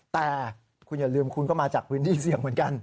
แต่คุณอย่าลืมคุณก็มาจากพื้นที่เสี่ยงเหมือนกัน